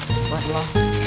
nih buat lo